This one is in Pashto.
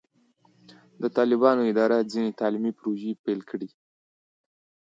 د طالبانو اداره ځینې تعلیمي پروژې پیل کړې.